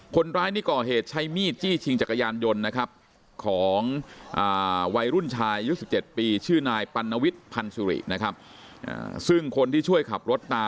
คนร้ายก็เลยตัดสินใจทิ้งจักรยานยนต์เอาไว้แล้วก็วิ่งหนีไปจากนู้นดอนหัวล่อมาถึงพานทองสภพทองเข้ามาตรวจสอบที่เกิดเหตุ